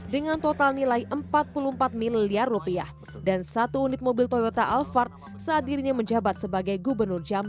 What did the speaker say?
dengan total nilai empat puluh empat miliar rupiah dan satu unit mobil toyota alphard saat dirinya menjabat sebagai gubernur jambi